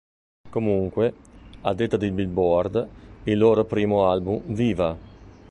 Comunque, a detta di Billboard, il loro primo album "Viva!